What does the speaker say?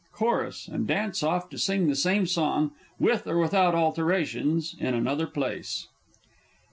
[Chorus, and dance off to sing the same song with or without alterations _in another place.